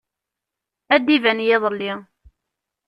Ad d-iban yiḍelli.